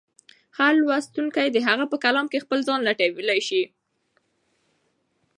هر لوستونکی د هغه په کلام کې خپل ځان لټولی شي.